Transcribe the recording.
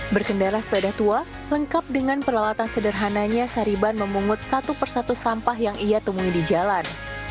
berkendara sepeda tua lengkap dengan peralatan sederhananya sariban memungut satu persatu sampah yang ia temui di jalan